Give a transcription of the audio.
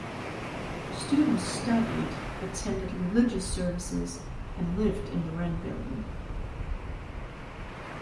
Students studied, attended religious services, and lived in the Wren Building.